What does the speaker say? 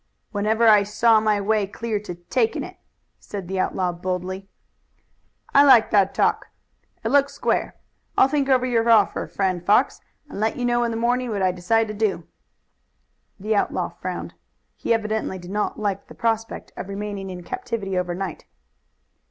"Whenever I saw my way clear to taking it," said the outlaw boldly. "I like that talk. It looks square. I'll think over your offer, friend Fox, and let you know in the morning what I decide to do." The outlaw frowned. He evidently did not like the prospect of remaining in captivity overnight.